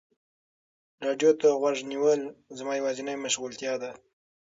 راډیو ته غوږ نیول زما یوازینی مشغولتیا ده.